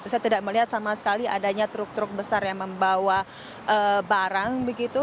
saya tidak melihat sama sekali adanya truk truk besar yang membawa barang begitu